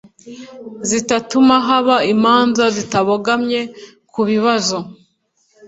zitatuma haba imanza zitabogamye ku bibazo